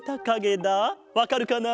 わかるかな？